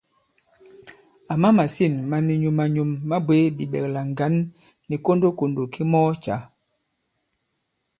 Àma màsîn ma ni nyum-a-nyum ma bwě bìɓɛ̀klà ŋgǎn nì kondokòndò ki mɔɔ cǎ.